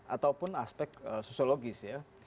ataupun aspek sosiologis ya